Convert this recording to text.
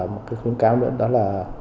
một cái khuyến cáo nữa đó là